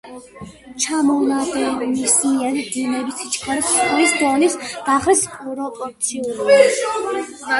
ჩამონადენისმიერი დინების სიჩქარე ზღვის დონის დახრის პროპორციულია.